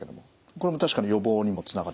これも確かに予防にもつながってくる？